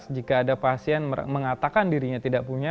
jika ada pasien mengatakan dirinya tidak punya